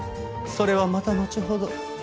それはまたのちほど。